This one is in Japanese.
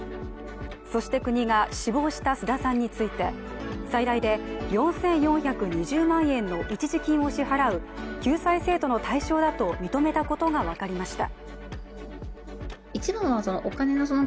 そして国が死亡した須田さんについて最大で４４２０万円の一時金を支払う救済制度の対象だと認めたことが分かりました。